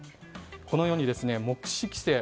このように目視規制。